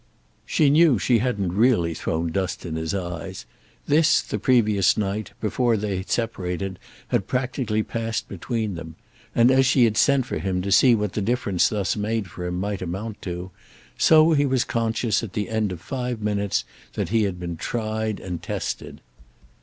She knew she hadn't really thrown dust in his eyes; this, the previous night, before they separated, had practically passed between them; and, as she had sent for him to see what the difference thus made for him might amount to, so he was conscious at the end of five minutes that he had been tried and tested.